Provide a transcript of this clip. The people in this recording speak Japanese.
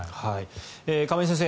亀井先生